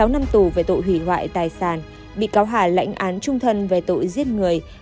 sáu năm tù về tội hủy hoại tài sản bị cáo hà lãnh án trung thân về tội giết người